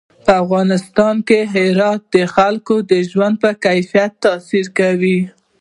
په افغانستان کې هرات د خلکو د ژوند په کیفیت تاثیر کوي.